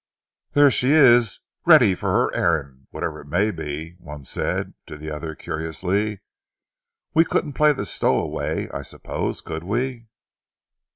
"There she is, ready for her errand, whatever it may be," one said to the other curiously. "We couldn't play the stowaway, I suppose, could we?"